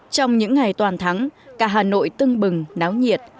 trong những ngày toàn thắng cả hà nội tưng bừng náo nhiệt